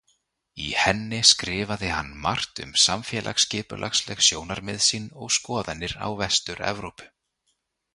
Í henni skrifaði hann margt um samfélagsskipulagsleg sjónarmið sín og skoðanir á Vestur-Evrópu.